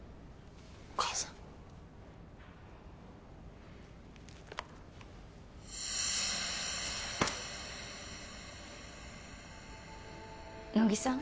お母さん乃木さん？